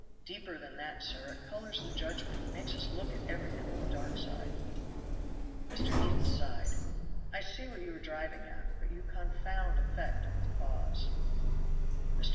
"Deeper than that, sir it colors the judgment. Makes us look at everything on the dark side." Mr. Eden sighed: "I see what you are driving at; but you confound effect with cause." Mr.